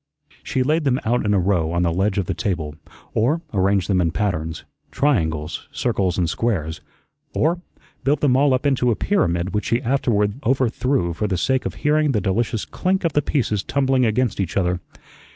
She laid them out in a row on the ledge of the table, or arranged them in patterns triangles, circles, and squares or built them all up into a pyramid which she afterward overthrew for the sake of hearing the delicious clink of the pieces tumbling against each other.